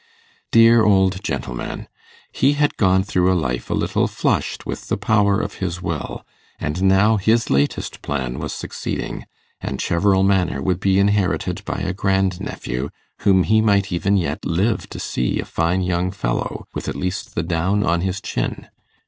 Dear old gentleman! he had gone through life a little flushed with the power of his will, and now his latest plan was succeeding, and Cheverel Manor would be inherited by a grand nephew, whom he might even yet live to see a fine young fellow with at least the down on his chin.